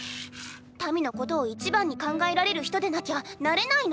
民のことを一番に考えられる人でなきゃなれないの！